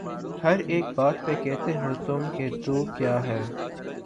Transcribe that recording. ہر ایک بات پہ کہتے ہو تم کہ تو کیا ہے